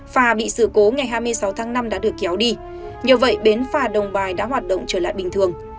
phà bị sự cố ngày hai mươi sáu tháng năm đã được kéo đi nhờ vậy bến phà đồng bài đã hoạt động trở lại bình thường